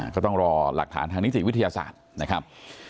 ก็ต้องรอหลักฐานทางนิติวิทยาศาสตร์นะครับ